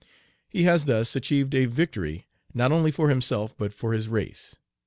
He has thus achieved a victory not only for himself but for his race.